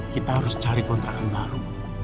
kita harus cari kontrakan baru